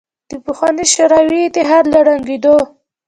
د پخواني شوروي اتحاد له ړنګېدو